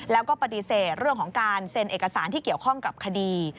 แล้วก็ปฏิเสธเรื่องของการเซ็นเอกสารที่เกี่ยวข้องกับคดี